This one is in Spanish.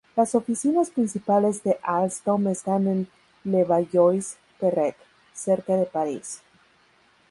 Las oficinas principales de Alstom están en Levallois-Perret, cerca de París.